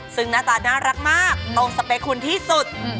ซึ่งหน้าตาน่ารักมากตรงสเปคคุณที่สุด